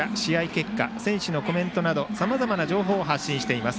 結果選手のコメントなどさまざまな情報を発信しています。